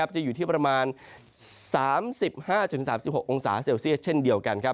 จะอยู่ที่ประมาณ๓๕๓๖องศาเซลเซียสเช่นเดียวกัน